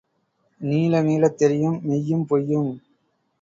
நீள நீளத் தெரியும் மெய்யும் பொய்யும்.